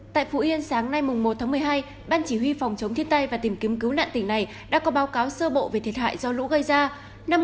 tại phủ yên sáng nay mùng một tháng một mươi hai ban chỉ huy phòng chống thiết tay và tìm kiếm cứu nạn tỉnh này đã có báo cáo sơ bộ về thiệt hại do lũ gây ra